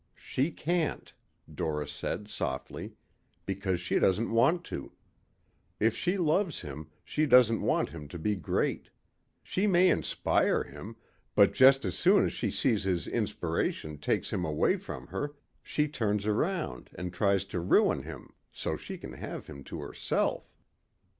"She can't," Doris said softly. "Because she doesn't want to. If she loves him, she doesn't want him to be great. She may inspire him but just as soon as she sees his inspiration takes him away from her, she turns around and tries to ruin him. So she can have him to herself."